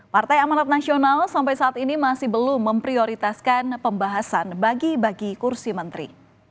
partai amanat nasional sampai saat ini masih belum memprioritaskan pembahasan bagi bagi kursi menteri